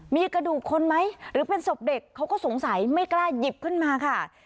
มีกระดูกคนไหมหรือเป็นศพเด็กเขาก็สงสัยไม่กล้าหยิบขึ้นมาค่ะ